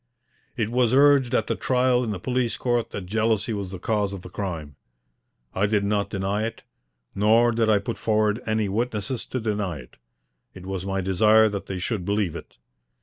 It was urged at the trial in the police court that jealousy was the cause of the crime. I did not deny it, nor did I put forward any witnesses to deny it. It was my desire that they should believe it.